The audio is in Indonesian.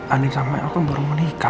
andi nisamal kan baru melikah